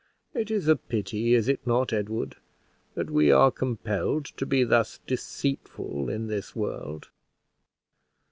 It is a pity, is it not, Edward, that we are compelled to be thus deceitful in this world?